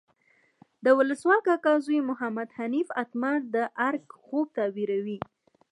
د ولسوال کاکا زوی محمد حنیف اتمر د ارګ خوب تعبیروي.